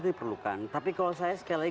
diperlukan tapi kalau saya sekali lagi